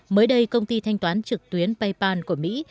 mới đây công ty thanh toán trực tuyến paypal của mỹ